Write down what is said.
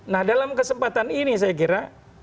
nah dalam kesempatan ini saya kira